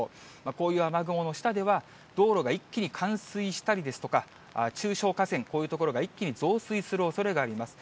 こういう雨雲の下では、道路が一気に冠水したりですとか、中小河川、こういう所が一気に増水するおそれがあります。